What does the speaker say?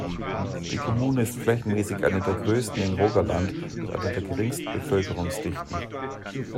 Die Kommune ist flächenmäßig eine der größten in Rogaland mit einer der geringsten Bevölkerungsdichten.